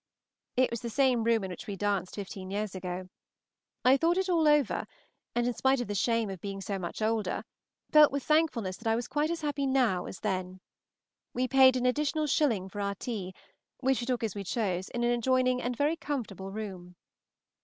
It was the same room in which we danced fifteen years ago. I thought it all over, and in spite of the shame of being so much older, felt with thankfulness that I was quite as happy now as then. We paid an additional shilling for our tea, which we took as we chose in an adjoining and very comfortable room.